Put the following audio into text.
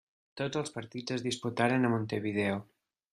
Tots els partits es disputaren a Montevideo.